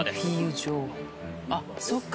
あっそっか。